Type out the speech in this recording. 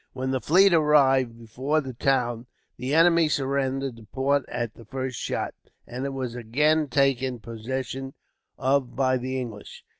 When the fleet arrived before the town, the enemy surrendered the fort at the first shot, and it was again taken possession of by the English.